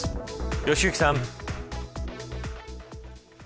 良幸さん。